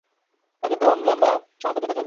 কার্যক্রম লম্বা সময় পর্যন্ত চলবে।